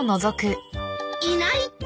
いないって！？